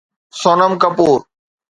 Sonam Kapoor